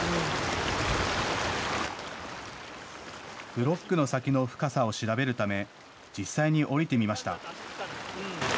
ブロックの先の深さを調べるため実際に降りてみました。